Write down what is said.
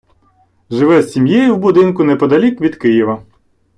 Живе з сім’єю в будинку неподалік від Києва.